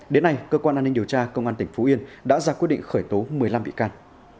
đến nay cơ quan an ninh điều tra công an tỉnh phú yên đã ra quyết định khởi tố một mươi năm bị can